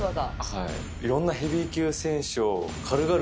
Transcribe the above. はい。